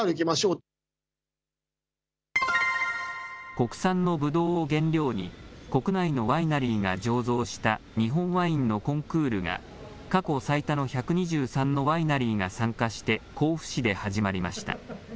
国産のぶどうを原料に国内のワイナリーが醸造した日本ワインのコンクールが過去最多の１２３のワイナリーが参加して甲府市で始まりました。